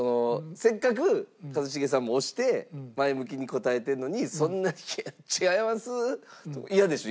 せっかく一茂さんも押して前向きに答えてるのにそんな「違いますぅ」イヤでしょ？